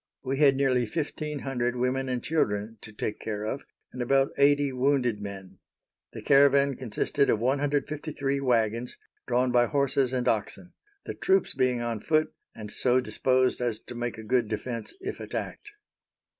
We had nearly fifteen hundred women and children to take care of, and about eighty wounded men. The caravan consisted of 153 wagons, drawn by horses and oxen; the troops being on foot, and so disposed as to make a good defense if attacked.